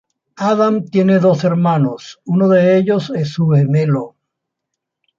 Adam tiene dos hermanos, uno de ellos es su gemelo.